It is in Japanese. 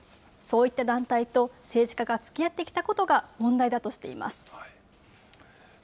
そういった団体と政治家がつきあってきたことが問題だとしています。